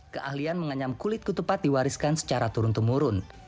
keahlian menganyam kulit ketupat diwariskan secara turun temurun